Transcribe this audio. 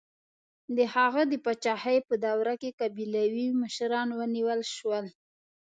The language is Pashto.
د هغه د پاچاهۍ په دوره کې قبیلوي مشران ونیول شول.